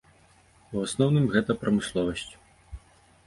У асноўным гэта прамысловасць.